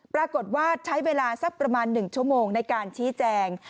ปรากฏว่าใช้เวลาสักประมาณ๑ชั่วโมงในการชี้แจง